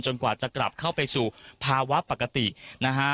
กว่าจะกลับเข้าไปสู่ภาวะปกตินะฮะ